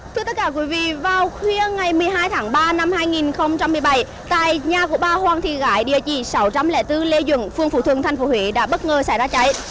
thưa tất cả quý vị vào khuya ngày một mươi hai tháng ba năm hai nghìn một mươi bảy tại nhà của ba hoàng thị gái địa chỉ sáu trăm linh bốn lê dưỡng phường phú thuận tp huế đã bất ngờ xảy ra cháy